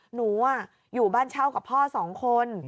หนูอยู่บ้านเช่ากับพ่อ๒คน